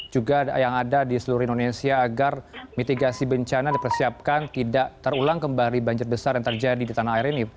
juga yang ada di seluruh indonesia agar mitigasi bencana dipersiapkan tidak terulang kembali banjir besar yang terjadi di tanah air ini